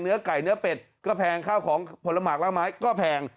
เนื้อไก่เนื้อเป็ดก็แพงข้าวของผลมากล้างไม้ก็แพง